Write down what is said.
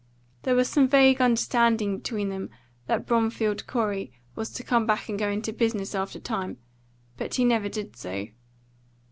There was some vague understanding between them that Bromfield Corey was to come back and go into business after a time, but he never did so.